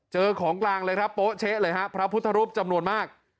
ของกลางเลยครับโป๊เช๊ะเลยฮะพระพุทธรูปจำนวนมาก